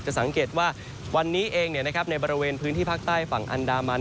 สังเกตว่าวันนี้เองในบริเวณพื้นที่ภาคใต้ฝั่งอันดามัน